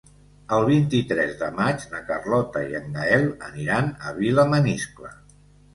El vint-i-tres de maig na Carlota i en Gaël aniran a Vilamaniscle.